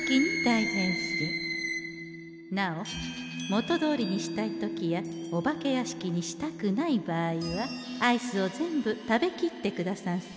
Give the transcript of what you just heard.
なお元どおりにしたい時やお化けやしきにしたくない場合はアイスを全部食べきってくださんせ。